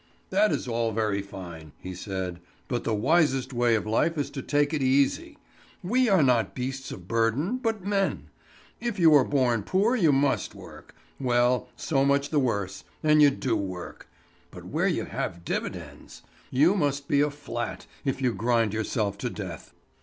"That is all very fine," he said. "But the wisest way of life is to take it easy. We are not beasts of burden, but men. If you are born poor you must work; well, so much the worse; and you do work. But where you have dividends! You must be a flat if you grind yourself to death."